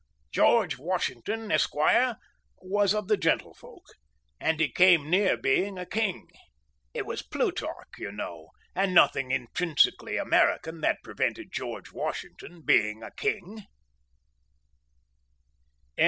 George Washington, Esquire, was of the gentlefolk, and he came near being a King. It was Plutarch, you know, and nothing intrinsically American that prevented George Washington being a King....